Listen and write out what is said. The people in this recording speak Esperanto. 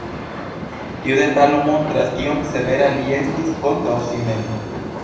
Tiu detalo montras, kiom severa li estis kontraŭ si mem.